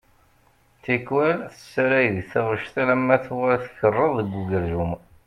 Tikwal tessalay di taɣect alamma tuɣal tkeṛṛeḍ deg ugerjum.